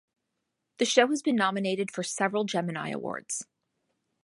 The show has been nominated for several Gemini Awards.